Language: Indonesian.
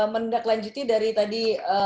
menunda kelanjuti dari tadi